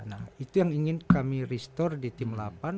nah itu yang ingin kami restore di tim delapan